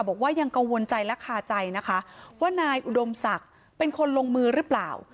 บอกว่ายังกังวลใจและคาใจนะคะว่านายอุดมศักดิ์เป็นคนลงมือหรือเปล่า